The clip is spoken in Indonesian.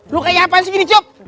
lo kayak apaan sih begini cuk